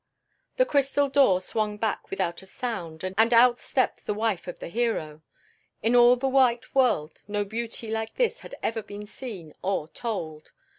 The crystal door swung back without a sound, and out stepped the wife of the hero. In all the white world no beauty like this had ever been seen or told.